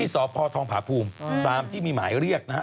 สพทองผาภูมิตามที่มีหมายเรียกนะฮะ